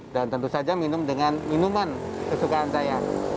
dan tentu saja minum dengan minuman kesukaan saya